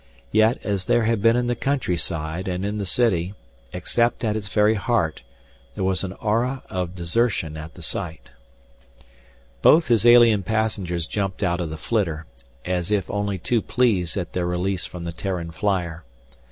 Yet, as there had been in the countryside and in the city, except at its very heart, there was an aura of desertion at the site. Both his alien passengers jumped out of the flitter, as if only too pleased at their release from the Terran flyer.